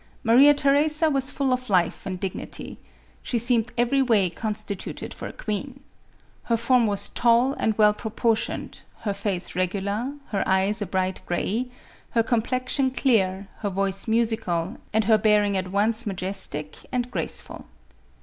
Maria Theresa was full of life and dignity. She seemed every way constituted for a queen. IJer form was tall and well proportioned, her face regular, her eyes a bright gray, her complexion clear, her voice musical, and her bearing at once majestic and graceful.